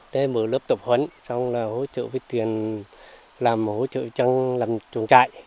đến mở lớp tập huấn xong là hỗ trợ với tiền làm hỗ trợ chăng làm chuồng chạy